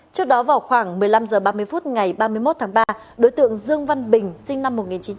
trước đó vào khoảng một mươi năm h ba mươi phút ngày ba mươi một tháng ba đối tượng dương văn bình sinh năm một nghìn chín trăm tám mươi